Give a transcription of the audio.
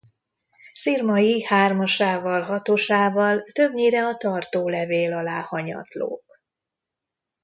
Szirmai hármasával- hatosával többnyire a tartólevél alá hanyatlók.